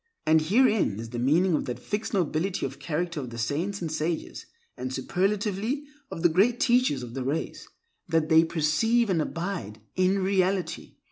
And herein is the meaning of that fixed nobility of character of the saints and sages, and superlatively, of the Great Teachers of the Race—that they perceive and abide in Reality.